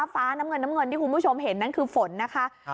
น้ำเงินน้ำเงินที่คุณผู้ชมเห็นนั่นคือฝนนะคะ